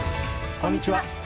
こんにちは。